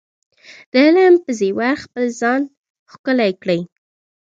د علم په زیور خپل ځان ښکلی کړئ.